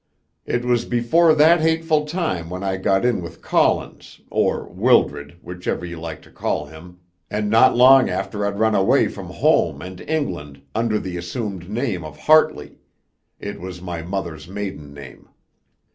"It was before that hateful time when I got in with Collins, or Wildred, whichever you like to call him, and not long after I'd run away from home and England under the assumed name of Hartley it was my mother's maiden name.